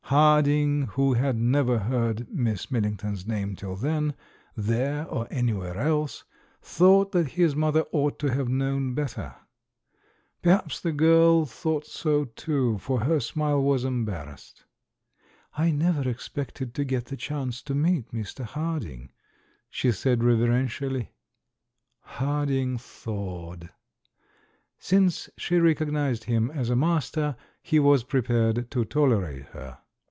Harding, who had never heard Miss Milling ton's name till then, there or anywhere else, thought that his mother ought to have known better. Perhaps the girl thought so, too, for her smile was embarrassed. TIME, THE HUMORIST 279 "I never expected to get the chance to meet Mr. Harding," she said reverentially. Harding thawed. Since she recognised him as a master, he was prepared to tolerate her.